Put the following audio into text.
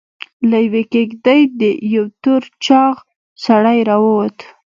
له يوې کېږدۍ يو تور چاغ سړی راووت.